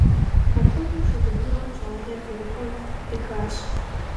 Апхуэдэу шы губзыгъэм щӏалэр гъэрыпӏэм кърихащ.